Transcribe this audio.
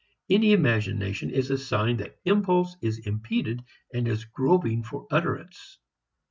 Any imagination is a sign that impulse is impeded and is groping for utterance.